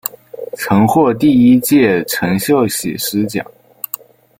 曾获第一届陈秀喜诗奖。